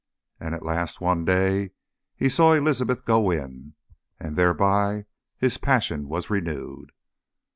And at last one day he saw Elizabeth go in, and thereby his passion was renewed.